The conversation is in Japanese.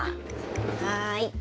はい。